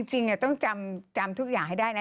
จริงต้องจำทุกอย่างให้ได้นะ